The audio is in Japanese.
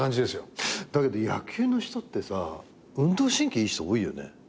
だけど野球の人ってさ運動神経いい人多いよね。